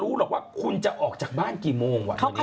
รู้หรอกว่าคุณจะออกจากบ้านกี่โมงนิดนาที